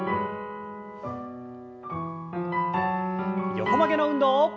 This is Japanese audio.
横曲げの運動。